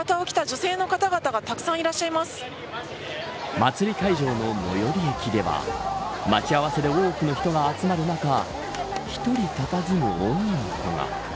祭り会場の最寄り駅では待ち合わせで多くの人が集まる中１人たたずむ女の子が。